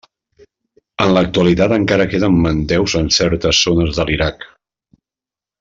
En l'actualitat, encara queden mandeus en certes zones de l'Iraq.